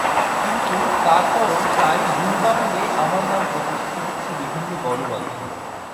কিন্তু তারপরও প্রায়ই ভুল বানানে আমার নাম প্রকাশিত হচ্ছে বিভিন্ন গণমাধ্যমে।